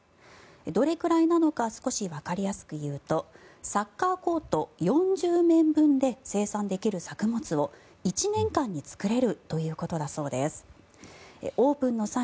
どれくらいなのか少しわかりやすく言うとサッカーコート４０面分で生産できる作物を１年間に作れるということだそうです。